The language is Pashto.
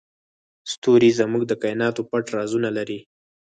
ستوري زموږ د کایناتو پټ رازونه لري.